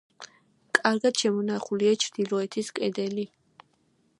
კარგად შემონახულია ჩრდილოეთის კედელი.